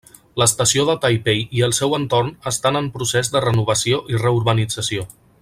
L'estació de Taipei i el seu entorn estan en procés de renovació i reurbanització.